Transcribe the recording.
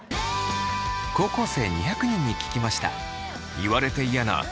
高校生２００人に聞きました。